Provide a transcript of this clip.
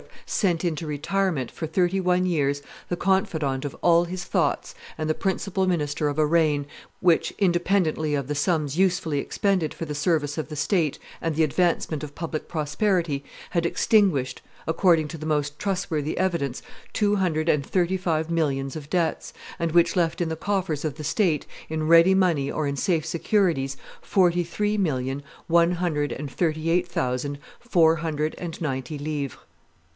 sent into retirement, for thirty one years, the confidant of all his thoughts and the principal minister of a reign which, independently of the sums usefully expended for the service of the state and the advancement of public prosperity, had extinguished, according to the most trustworthy evidence, two hundred and thirty five millions of debts, and which left in the coffers of the state, in ready money or in safe securities, forty three million, one hundred and thirty eight thousand, four hundred and ninety livres.